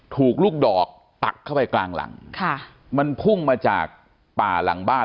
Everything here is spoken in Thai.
ถูกลูกดอกปักเข้าไปกลางหลังค่ะมันพุ่งมาจากป่าหลังบ้าน